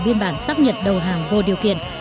biên bản xác nhận đầu hàng vô điều kiện